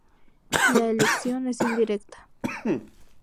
La elección es indirecta.